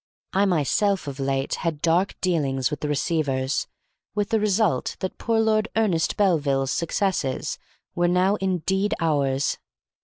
I myself of late had dark dealings with the receivers, with the result that poor Lord Ernest Belville's successes were now indeed ours.